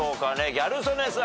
ギャル曽根さん。